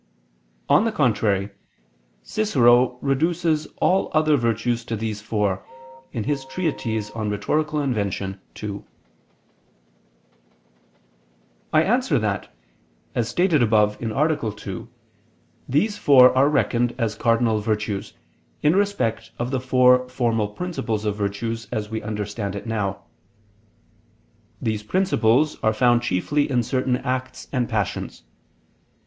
On the contrary, Cicero reduces all other virtues to these four (De Invent. Rhet. ii). I answer that, As stated above (A. 2), these four are reckoned as cardinal virtues, in respect of the four formal principles of virtue as we understand it now. These principles are found chiefly in certain acts and passions.